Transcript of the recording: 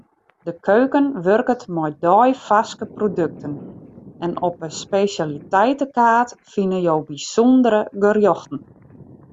De keuken wurket mei deifarske produkten en op 'e spesjaliteitekaart fine jo bysûndere gerjochten.